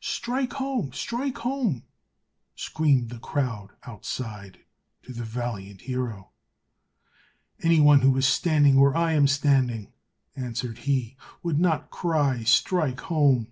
"Strike home! strike home!" screamed the crowd outside to the valiant hero. "Any one who was standing where I am standing," answered he, "would not cry, strike home!"